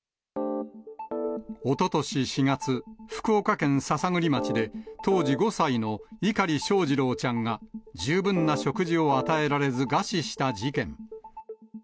おととし４月、福岡県篠栗町で、当時５歳の碇翔士郎ちゃんが、十分な食事を与えられず餓死した事件。